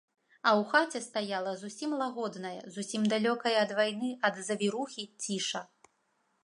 А ў хаце стаяла зусім лагодная, зусім далёкая ад вайны, ад завірухі ціша.